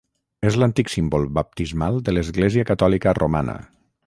És l'antic símbol baptismal de l'Església Catòlica Romana.